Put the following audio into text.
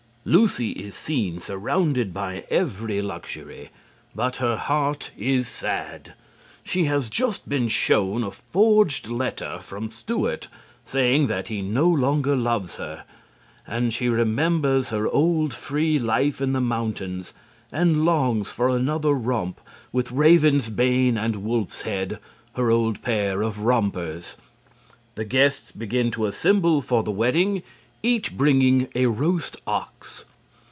_ Lucy is seen surrounded by every luxury, but her heart is sad. She has just been shown a forged letter from Stewart saying that he no longer loves her, and she remembers her old free life in the mountains and longs for another romp with Ravensbane and Wolfshead, her old pair of rompers. The guests begin to assemble for the wedding, each bringing a roast ox.